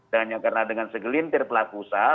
dan yang karena dengan segelintir pelaku usaha